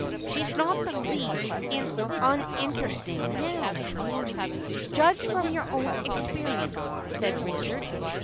She's not in the least uninteresting now." "Judge from your own experience," said Richard.